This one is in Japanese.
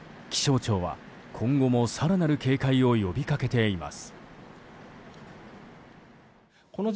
気象庁は今後も更なる警戒を呼びかけています。